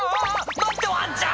待ってワンちゃん！」